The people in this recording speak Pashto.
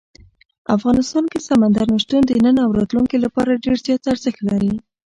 افغانستان کې سمندر نه شتون د نن او راتلونکي لپاره ډېر زیات ارزښت لري.